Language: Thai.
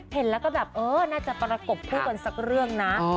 เห็นแล้วก็แบบเออน่าจะประกบคู่กันสักเรื่องนะ